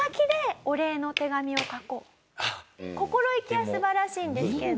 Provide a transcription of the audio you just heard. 心意気は素晴らしいんですけど。